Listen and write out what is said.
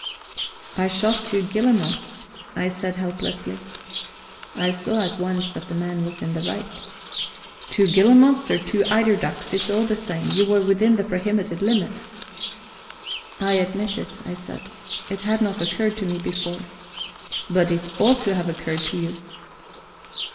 "I shot two guillemots," I said helplessly. I saw at once that the man was in the right. "Two guillemots or two eiderducks it is all the same. You were within the prohibited limit." "I admit it," I said. "It had not occurred to me before." "But it ought to have occurred to you."